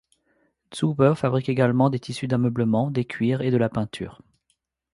Zuber fabrique également des tissus d'ameublement, des cuirs et de la peinture.